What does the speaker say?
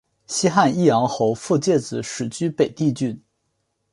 西汉义阳侯傅介子始居北地郡。